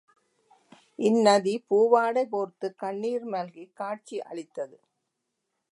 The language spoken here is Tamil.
இந் நதி பூவாடை போர்த்துக் கண்ணிர் மல்கிக் காட்சி அளித்தது.